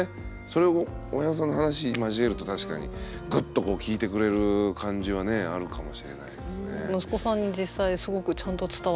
それ親御さんの話交えると確かにグッとこう聞いてくれる感じはねあるかもしれないっすね。